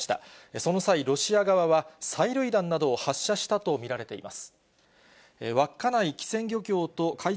その際、ロシア側は催涙弾などを発射したと見られています。